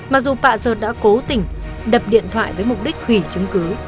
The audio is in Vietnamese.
mặc dù pạ sơn đã cố tình đập điện thoại với mục đích hủy chứng cứ